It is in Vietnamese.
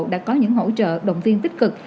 đã có những hỗ trợ động viên tích cực